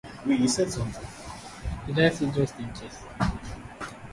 Tongue twisters don't help Common Voice. Recordings need to sound natural.